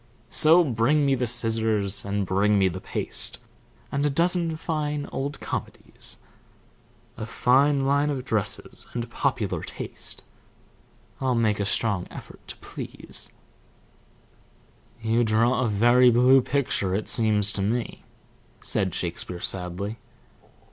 So bring me the scissors, And bring me the paste, And a dozen fine old comedies; A fine line of dresses, And popular taste I'll make a strong effort to please. "You draw a very blue picture, it seems to me," said Shakespeare, sadly.